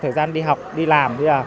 thời gian đi học đi làm